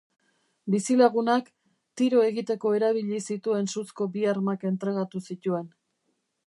Bizilagunak, tiro egiteko erabili zituen suzko bi armak entregatu zituen.